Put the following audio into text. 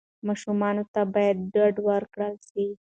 ماشومانو ته باید ډاډ ورکړل سي.